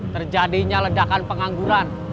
terjadinya ledakan pengangguran